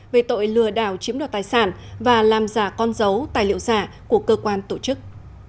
về tội lừa đảo chiếm đoạt tài sản và làm giả con dấu tài liệu giả của cơ quan tổ chức